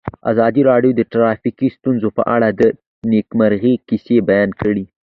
ازادي راډیو د ټرافیکي ستونزې په اړه د نېکمرغۍ کیسې بیان کړې.